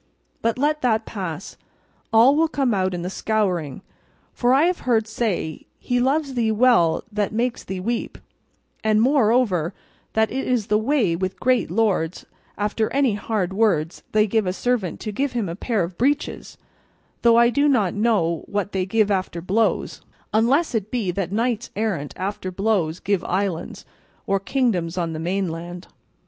But let that pass; all will come out in the scouring; for I have heard say 'he loves thee well that makes thee weep;' and moreover that it is the way with great lords after any hard words they give a servant to give him a pair of breeches; though I do not know what they give after blows, unless it be that knights errant after blows give islands, or kingdoms on the mainland."